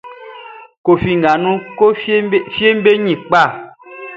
Koffi nga nunʼn, fieʼm be ɲin kpa.